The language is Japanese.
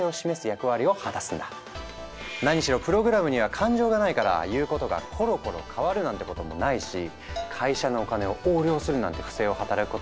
何しろプログラムには感情がないから「言うことがコロコロ変わる」なんてこともないし「会社のお金を横領する」なんて不正を働くことももちろんない。